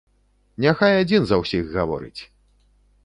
Няхай адзін за ўсіх гаворыць!